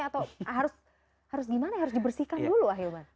atau harus gimana harus dibersihkan dulu ah ya bang